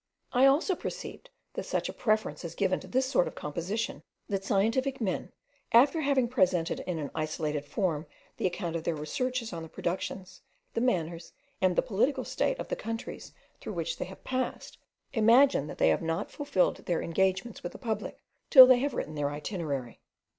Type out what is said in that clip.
I also perceived that such a preference is given to this sort of composition, that scientific men, after having presented in an isolated form the account of their researches on the productions, the manners, and the political state of the countries through which they have passed, imagine that they have not fulfilled their engagements with the public, till they have written their itinerary.